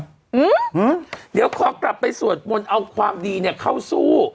อืมเดี๋ยวขอกลับไปสวดมนต์เอาความดีเนี่ยเข้าสู้